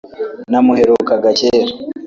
namuherukaga kera